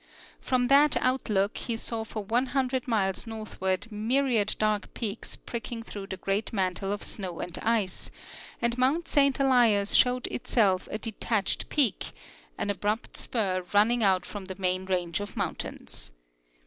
From that outlook he saw for 100 miles northward myriad dark peaks pricking through the great mantle of snow and ice, and mount Saint Elias showed itself a detached peak — an abru23t spur running out from the main range of mountains.